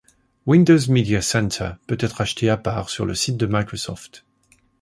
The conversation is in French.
Windows Media Center peut être acheté à part, sur le site de Microsoft.